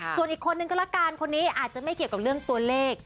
ส่วนอีกคนนึงก็ละกันคนนี้อาจจะไม่เกี่ยวกับเรื่องตัวเลข